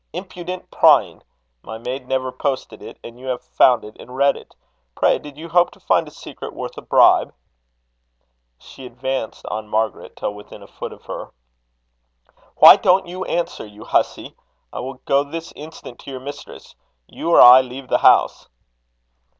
Impudent prying! My maid never posted it, and you have found it and read it! Pray, did you hope to find a secret worth a bribe?" She advanced on Margaret till within a foot of her. "Why don't you answer, you hussy? I will go this instant to your mistress. You or I leave the house."